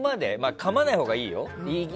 かまないほうがいいよ。